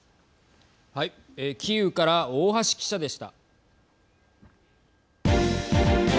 キーウから大橋記者でした。